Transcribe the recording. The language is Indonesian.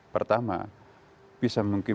pertama bisa mungkin